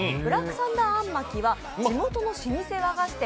サンダーあん巻きは地元の老舗和菓子店